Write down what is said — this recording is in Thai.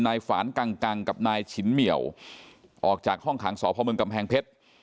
นายฝานกังกังกับนายฉินเมียวออกจากห้องคางสพกเพชร